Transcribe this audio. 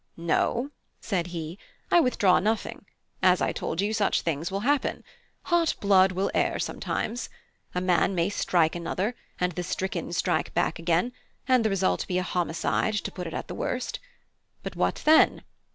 "No," said he, "I withdraw nothing; as I told you, such things will happen. Hot blood will err sometimes. A man may strike another, and the stricken strike back again, and the result be a homicide, to put it at the worst. But what then?